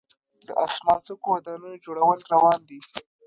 د اسمان څکو ودانیو جوړول روان دي.